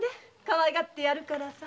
かわいがってやるからさ。